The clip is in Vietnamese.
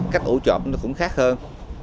cách ủ trộm nó cũng khác hơn